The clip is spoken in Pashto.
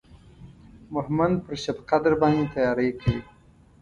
مهمند پر شبقدر باندې تیاری کوي.